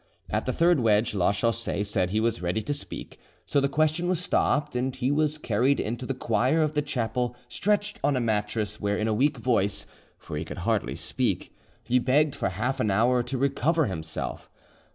At the third wedge Lachaussee said he was ready to speak; so the question was stopped, and he was carried into the choir of the chapel stretched on a mattress, where, in a weak voice—for he could hardly speak—he begged for half an hour to recover himself.